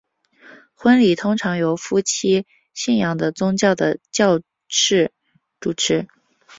婚礼通常由夫妻信仰的宗教的教士主持。